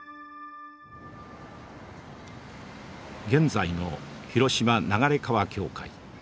現在の広島流川教会。